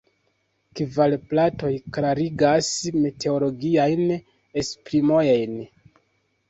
Kvar platoj klarigas meteologiajn esprimojn.